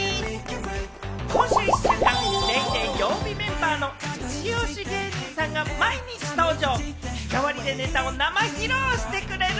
今週１週間で『ＤａｙＤａｙ．』曜日メンバーのイチオシ芸人さんが毎日登場。